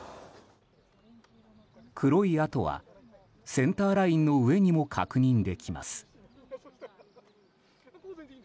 黒い跡は、センターラインの上にも確認できます。